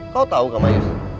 kau tahu pak mayus